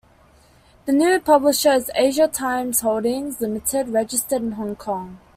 The new publisher is Asia Times Holdings Limited, registered in Hong Kong.